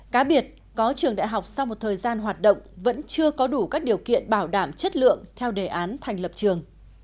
cá biệt có trường đại học sau một thời gian hoạt động vẫn chưa có đủ các điều kiện bảo đảm chất lượng theo đề án thành lập trường